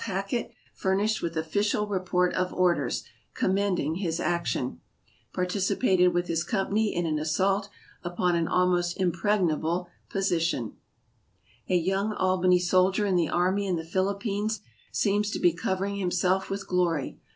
Hackett Furnished with Official Report op Orders COMMENDING HIS ACTION Participated with His Company in an Assault Upon an Almost Impregnable Position A young Albany soldier in the army in the Philippines seems to be covering himself with glory.